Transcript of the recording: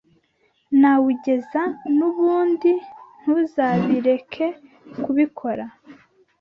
nawugeza n’ubundi ntuzabireke kubikora